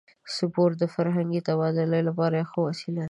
سپورت د فرهنګي تبادلې لپاره یوه ښه وسیله ده.